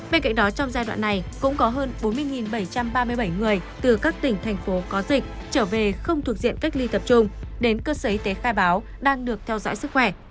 bên cạnh đó trong giai đoạn này cũng có hơn bốn mươi bảy trăm ba mươi bảy người từ các tỉnh thành phố có dịch trở về không thuộc diện cách ly tập trung đến cơ sở y tế khai báo đang được theo dõi sức khỏe